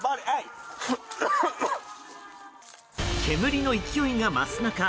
煙の勢いが増す中